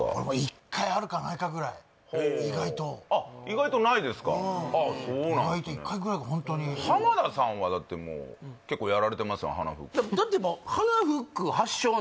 １回あるかないかぐらい意外とあっ意外とないですか意外と１回ぐらいがホントに浜田さんはだってもう結構やられてます鼻フックああ地？